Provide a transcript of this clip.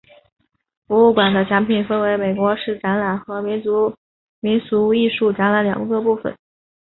博物馆的展品分为美术史展览和民俗艺术展览两个部分。